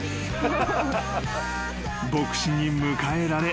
［牧師に迎えられ］